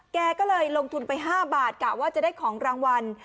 แกลงทุนไป๕บาทจะได้ของรางวัล